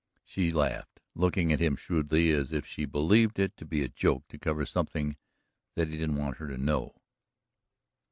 She laughed, looking at him shrewdly, as if she believed it to be a joke to cover something that he didn't want her to know.